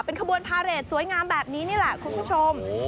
ขบวนพาเรทสวยงามแบบนี้นี่แหละคุณผู้ชม